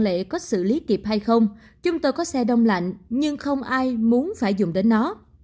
liệu có xử lý kịp hay không chúng tôi có xe đông lạnh nhưng không ai muốn phải dùng đến nó